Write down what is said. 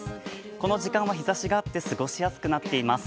このに時間は日ざしがあって過ごしやすくなっています。